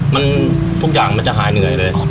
มันทุกอย่างมันจะหายเหนื่อยเลย